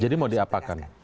jadi mau diapain